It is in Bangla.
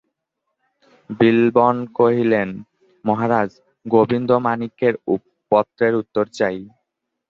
বিল্বন কহিলেন, মহারাজ গোবিন্দমাণিক্যের পত্রের উত্তর চাই।